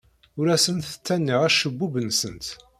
Ur asent-ttaniɣ acebbub-nsent.